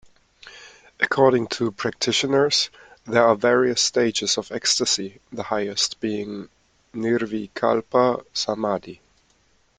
According to practitioners, there are various stages of ecstasy, the highest being Nirvikalpa Samadhi.